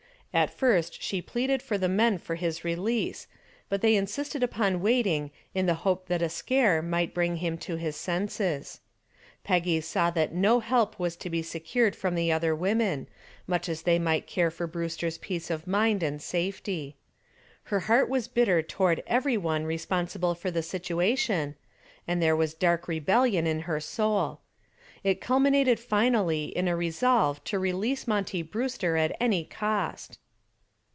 At first she pleaded for the men for his release, but they insisted upon waiting in the hope that a scare might bring him to his senses. Peggy saw that no help was to be secured from the other women, much as they might care for Brewster's peace of mind and safety. Her heart was bitter toward every one responsible for the situation, and there was dark rebellion in her soul. It culminated finally in a resolve to release Monty Brewster at any cost.